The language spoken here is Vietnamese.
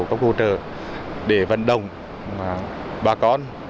có hỗ trợ để vận động bà con